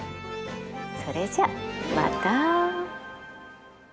それじゃあまた。